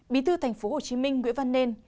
bí thư thành phố hồ chí minh nguyễn văn nên